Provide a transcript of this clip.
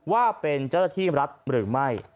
ว่าเป็นเจ้าหน้าที่รัฐหรือไม่